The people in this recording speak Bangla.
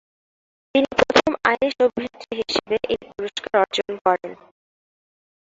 তিনি প্রথম আইরিশ অভিনেত্রী হিসেবে এই পুরস্কার অর্জন করেন।